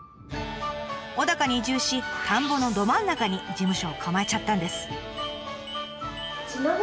小高に移住し田んぼのど真ん中に事務所を構えちゃったんです。